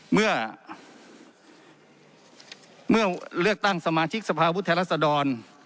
เมื่อเลือกตั้งสมาชิกสภาพุทธแทนรัศดร